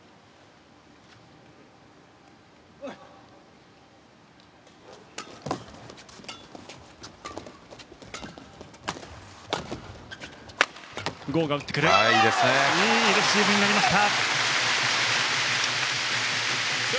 いいレシーブになりました。